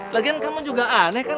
lagian kamu juga aneh kan